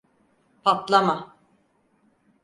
Patlama!